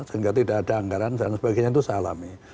sehingga tidak ada anggaran dan sebagainya itu saya alami